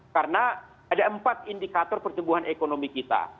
karena ada empat indikator pertumbuhan ekonomi kita